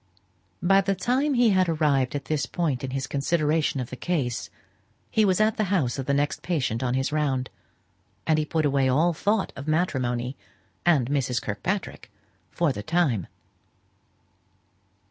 By the time he had arrived at this point in his consideration of the case, he was at the house of the next patient on his round, and he put away all thought of matrimony and Mrs. Kirkpatrick for the time.